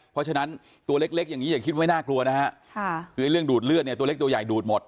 เพราะฉะนั้นตัวเล็กอย่างนี้อย่าคิดว่าไม่น่ากลัวนะฮะคือเรื่องดูดเลือดเนี่ยตัวเล็กตัวใหญ่ดูดหมด